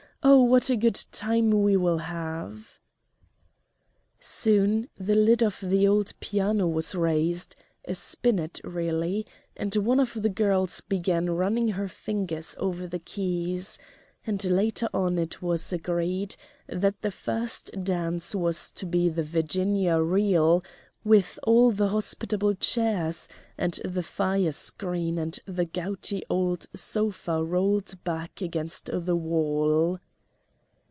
Oh, what a good time we will all have!" Soon the lid of the old piano was raised, a spinet, really, and one of the girls began running her fingers over the keys; and later on it was agreed that the first dance was to be the Virginia reel, with all the hospitable chairs and the fire screen and the gouty old sofa rolled back against the wall.